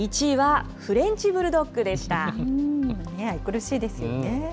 愛くるしいですよね。